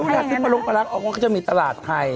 ถ้าซื้อปลารุงปลารักษณ์ออกมาก็จะมีตลาดไทย